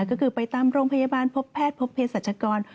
ก็คือไปตามโรงพยาบาลพบแพทย์พบเพศรัชกร